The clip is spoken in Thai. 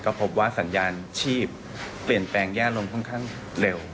ก็พบว่าสัญญาณชีพเปลี่ยนแปลงแย่ลงค่อนข้างเร็ว